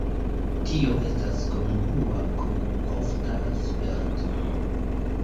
Tio estas kongrua kun ofta sperto.